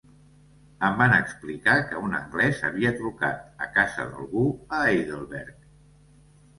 Em van explicar que un anglès havia trucat a casa d'algú a Heidelberg.